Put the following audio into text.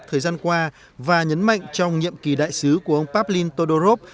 thời gian qua và nhấn mạnh trong nhiệm kỳ đại sứ của ông pavlin todorov